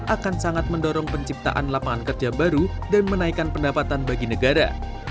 akan sangat mendorong penciptaan lapangan kerja baru dan menaikkan pendapatan bagi negara